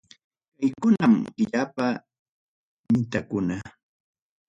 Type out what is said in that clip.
Kaykunam Killapa mitakuna.